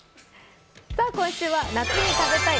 今週は夏に食べたい！